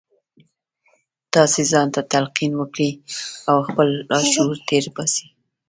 تاسې ځان ته تلقین وکړئ او خپل لاشعور تېر باسئ